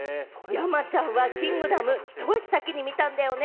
山ちゃんは『キングダム』、ひと足先に見たんだよね？